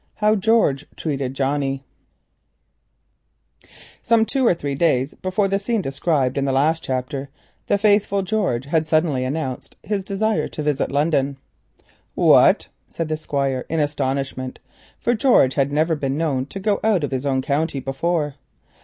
HOW GEORGE TREATED JOHNNIE Some two or three days before the scene described in the last chapter the faithful George had suddenly announced his desire to visit London. "What?" said the Squire in astonishment, for George had never been known to go out of his own county before.